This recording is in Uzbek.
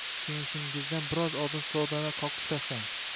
Kiyishingizdan biroz oldin sodani qoqib tashlang